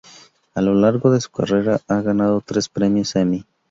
A lo largo de su carrera ha ganado tres premios Emmy.